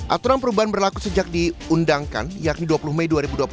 aturan perubahan berlaku sejak diundangkan yakni dua puluh mei dua ribu dua puluh